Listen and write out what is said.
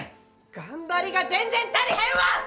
頑張りが全然足りへんわ！